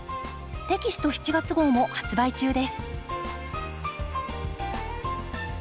テキスト７月号も発売中です。